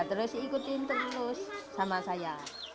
terus ikutin terus sama saya